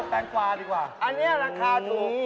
แงงกวาดีกว่าอันนี้ราคาถูก